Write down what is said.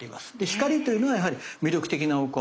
ヒカリというのはやはり魅力的なお米。